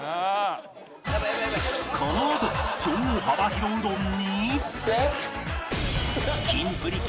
このあと超幅広うどんに